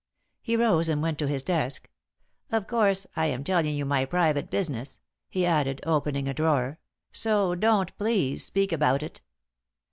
He rose and went to his desk. "Of course, I am telling you my private business," he added, opening a drawer, "so don't please speak about it."